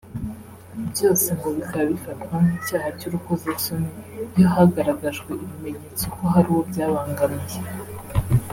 byose ngo bikaba bifatwa nk’icyaha cy’urukozasoni iyo hagaragajwe ibimenyetso ko hari uwo byabangamiye